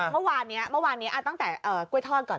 เมื่อวานนี้ตั้งแต่กล้วยทอดก่อน